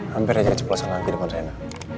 hampir aja ucap losan lagi dengan rehna